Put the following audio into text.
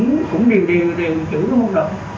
thì cũng điều điều điều chữ đúng không